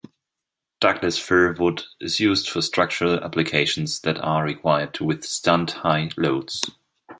Douglas-fir wood is used for structural applications that are required to withstand high loads.